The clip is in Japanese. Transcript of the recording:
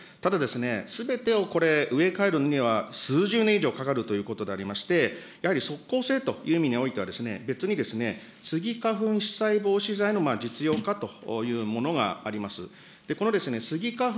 ただ、すべてをこれ植え替えるには、数十年以上かかるということでありまして、やはり即効性という意味においては、別にスギ花粉飛散防止剤の実用化というものがあります。